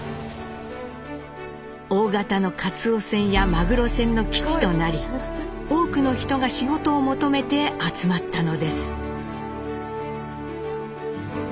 大型のかつお船やマグロ船の基地となり多くの人が仕事を求めて集まったのです。